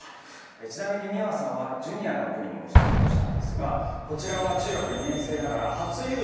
ちなみに美和さんはジュニアの部にも出場したのですがこちらは中学２年生ながら初優勝を飾りました。